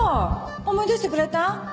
思い出してくれた？